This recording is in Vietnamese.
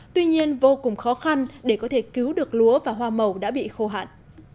tuy nhiên vô cùng khó khăn để có thể cứu được lúa và hoa màu đã bị khô hạn